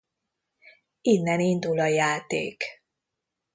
Innen indul a játék.